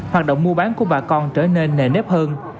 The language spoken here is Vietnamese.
hoạt động mua bán của bà con trở nên nề nếp hơn